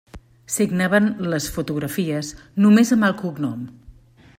Signaven les fotografies només amb el cognom.